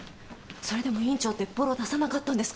それでも院長ってぼろ出さなかったんですか？